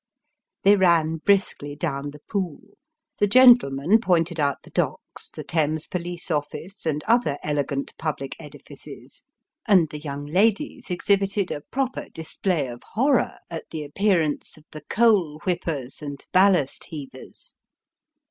They ran briskly down the Pool ; the gentlemen pointed out the Docks, the Thames Police Office, and other elegant public edifices ; and the young ladies exhibited a proper display of horror at the appearance of the coal whippers and ballast heavers.